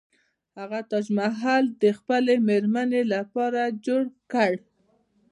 هغه تاج محل د خپلې میرمنې لپاره جوړ کړ.